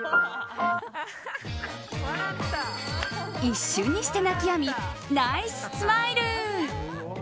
一瞬にして泣きやみナイススマイル。